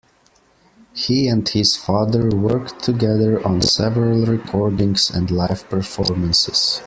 He and his father worked together on several recordings and live performances.